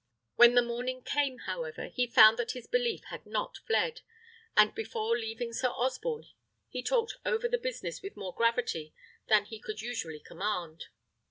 When the morning came, however, he found that his belief had not fled; and before leaving Sir Osborne, he talked over the business with more gravity than he could usually command.